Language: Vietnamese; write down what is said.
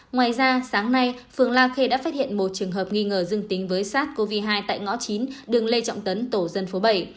ngoài ra sáng nay phường la khê đã phát hiện một trường hợp nghi ngờ dương tính với sars cov hai tại ngõ chín đường lê trọng tấn tổ dân phố bảy